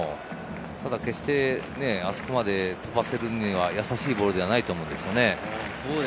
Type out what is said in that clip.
ただ決してあそこまで飛ばせるにはやさしいボールではないと思うんですよね。